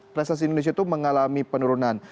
prestasi indonesia itu mengalami penurunan